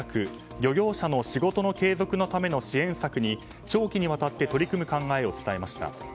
漁業者の仕事の継続のための支援策に長期にわたって取り組む考えを伝えました。